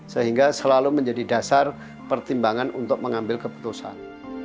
sehingga selalu menjadi dasar pertimbangan untuk mengambil keputusan